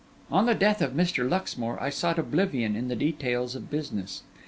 On the death of Mr. Luxmore, I sought oblivion in the details of business.